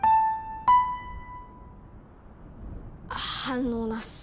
反応なし。